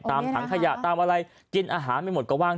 ถังขยะตามอะไรกินอาหารไม่หมดก็ว่าง